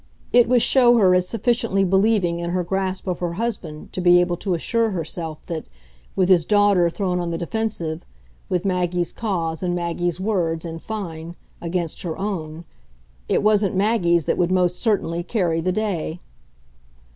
It would show her as sufficiently believing in her grasp of her husband to be able to assure herself that, with his daughter thrown on the defensive, with Maggie's cause and Maggie's word, in fine, against her own, it wasn't Maggie's that would most certainly carry the day.